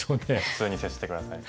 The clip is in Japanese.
普通に接して下さい。